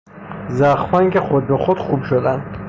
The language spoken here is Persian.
زخمهایی که خود به خود خوب شدند